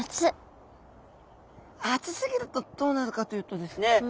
暑すぎるとどうなるかというとですね